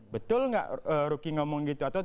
betul tidak ruki ngomong begitu